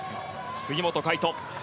杉本海誉斗。